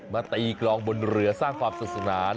มาตีกลองบนเรือสร้างความศักดิ์สุนาน